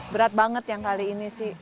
berat banget yang kali ini sih